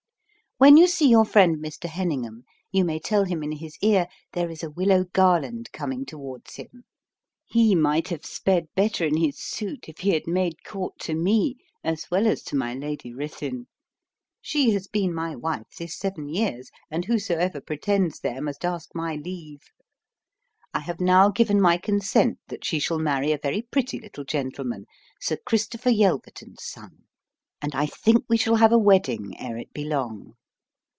When you see your friend Mr. Heningham, you may tell him in his ear there is a willow garland coming towards him. He might have sped better in his suit if he had made court to me, as well as to my Lady Ruthin. She has been my wife this seven years, and whosoever pretends there must ask my leave. I have now given my consent that she shall marry a very pretty little gentleman, Sir Christopher Yelverton's son, and I think we shall have a wedding ere it be long.